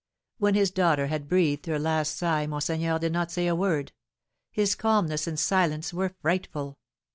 When his daughter had breathed her last sigh, monseigneur did not say a word; his calmness and silence were frightful.